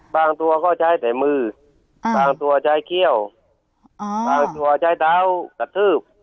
บางตัวก็ใช้แต่มือบางตัวใช้เขี้ยวบางตัวใช้เท้ากระทืบ